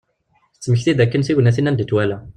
Tettmekti-d akken tignatin anda i t-wala.